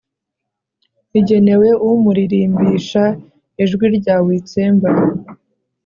igenewe umuririmbisha. ijwi rya witsemba